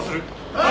ああ。